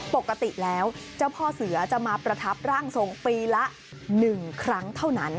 ปกติแล้วเจ้าพ่อเสือจะมาประทับร่างทรงปีละ๑ครั้งเท่านั้น